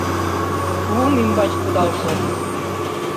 Лум ӱмбач кудалше...